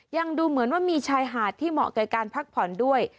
ดูเหมือนว่ามีชายหาดที่เหมาะกับการพักผ่อนด้วย